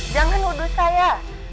jangan uduh saya